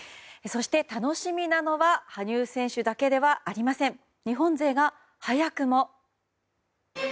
そして、楽しみなのは羽生選手だけではありません。